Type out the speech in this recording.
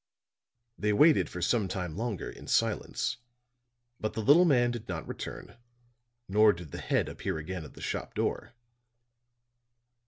They waited for some time longer in silence. But the little man did not return, nor did the head appear again at the shop door.